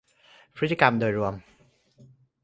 พฤติกรรมโดยรวม